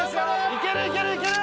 いけるいけるいける！